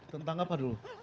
tentang apa dulu